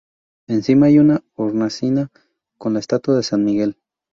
Encima hay una hornacina con la estatua de San Miguel.